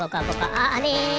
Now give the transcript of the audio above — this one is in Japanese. あれ？